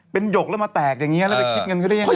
เป็นหยกแล้วมาแตกอย่างนี้แล้วไปคิดเงินเขาได้ยังไง